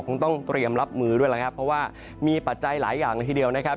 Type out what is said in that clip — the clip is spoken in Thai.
คงต้องเตรียมรับมือด้วยแล้วครับเพราะว่ามีปัจจัยหลายอย่างละทีเดียวนะครับ